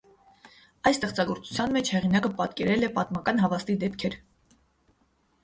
Այս ստեղծագործության մեջ հեղինակը պատկերել է պատմական հավաստի դեպքեր։